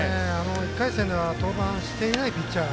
１回戦では登板していないピッチャー。